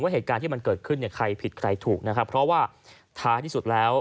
เหตุการณ์ที่มันเกิดขึ้นเนี่ยใครผิดใครถูกนะครับเพราะว่าท้ายที่สุดแล้ว